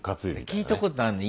聞いたことあんの。